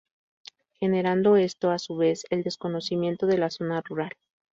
Generando esto a su vez el desconocimiento de la zona rural.